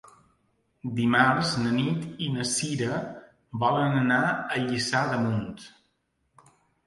Dimarts na Nit i na Cira volen anar a Lliçà d'Amunt.